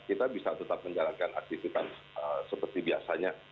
kita bisa tetap menjalankan aktivitas seperti biasanya